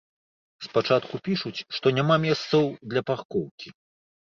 Спачатку пішуць, што няма месцаў для паркоўкі.